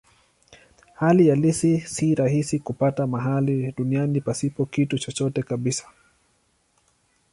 Hali halisi si rahisi kupata mahali duniani pasipo kitu chochote kabisa.